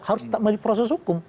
harus tetap melalui proses hukum